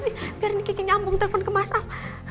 biar ini keke nyambung telepon ke masal